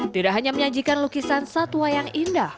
tidak hanya menyajikan lukisan satwa yang indah